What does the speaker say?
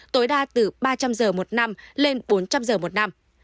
tối đa từ ba trăm linh giờ một năm lên bốn trăm linh giờ một năm